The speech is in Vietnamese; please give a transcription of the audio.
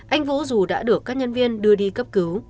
anh vũ dù đã được các nhân viên đưa đi cấp cứu